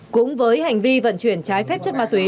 cũng với hành vi vận chuyển trái phép chất ma túy